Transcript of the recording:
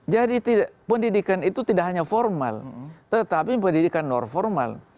jadi pendidikan itu tidak hanya formal tetapi pendidikan non formal